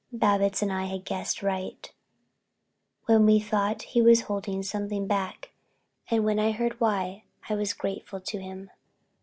Babbitts and I had guessed right when we thought he was holding something back and when I heard why I was grateful to him.